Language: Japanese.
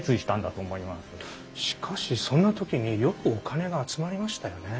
しかしそんな時によくお金が集まりましたよね。